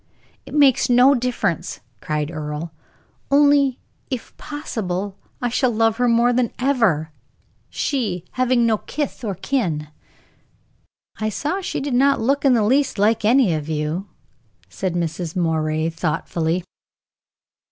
"It makes no difference," cried Earle; "only, if possible, I shall love her more than ever, she having no kith or kin." "I saw she did not look in the least like any of you," said Mrs. Moray, thoughtfully.